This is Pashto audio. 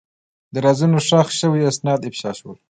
د رازونو ښخ شوي اسناد افشا شول.